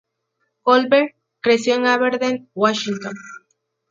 Goldberg creció en Aberdeen, Washington.